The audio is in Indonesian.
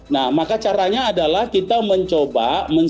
nah maka caranya adalah kita mencoba